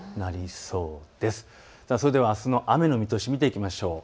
それではあすの雨の見通しを見ていきましょう。